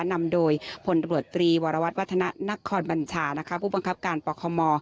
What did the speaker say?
นำโดยพลตรวจตรีวรวรรษวัฒนะนักคอนบัญชาพูพังคับการปม